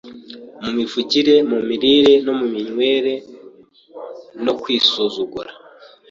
mu mivugire, mu mirire no mu minywere no kwisuzugura.